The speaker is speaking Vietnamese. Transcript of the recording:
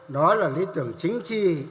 đó là lý tưởng chính trị